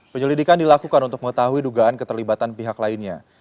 penyelidikan dilakukan untuk mengetahui dugaan keterlibatan pihak lainnya